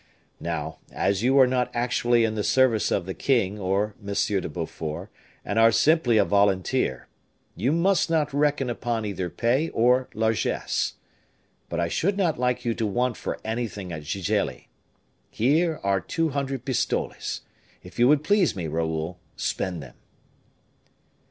Now, as you are not actually in the service of the king or M. de Beaufort, and are simply a volunteer, you must not reckon upon either pay or largesse. But I should not like you to want for anything at Gigelli. Here are two hundred pistoles; if you would please me, Raoul, spend them."